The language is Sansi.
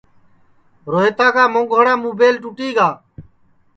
روہیتا کا مونٚگوڑا مُبیل ٹُوٹی گا